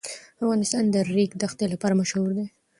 افغانستان د د ریګ دښتې لپاره مشهور دی.